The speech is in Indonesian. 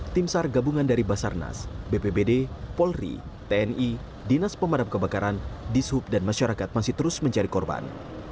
tim sar gabungan dari basarnas bpbd polri tni dinas pemadam kebakaran dishub dan masyarakat masih terus mencari korban